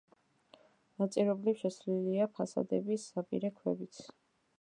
ნაწილობრივ შეცვლილია ფასადების საპირე ქვებიც.